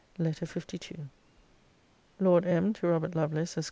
LETTER LII LORD M. TO ROBERT LOVELACE, ESQ.